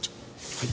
はい。